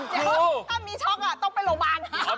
ถ้ามีช็อกต้องไปโรงพยาบาล